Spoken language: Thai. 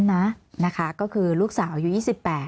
มีความรู้สึกว่าเสียใจ